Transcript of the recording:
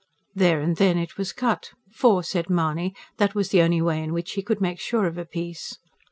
There and then it was cut; for, said Mahony, that was the only way in which he could make sure of a piece.